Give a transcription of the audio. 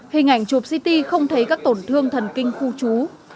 hình ảnh chụp ct không thấy các tổn thương thần kinh khu trú